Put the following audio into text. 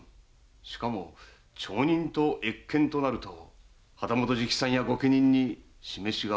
しかも町人と謁見となると旗本直参や御家人に示しがつきますまい。